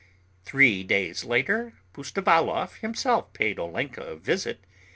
Three days later Pustovalov himself paid Olenka a visit.